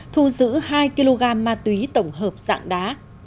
thu giữ hai kg ma túy tổng hợp dạng đá